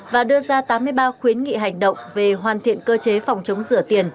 và đưa ra tám mươi ba khuyến nghị hành động về hoàn thiện cơ chế phòng chống rửa tiền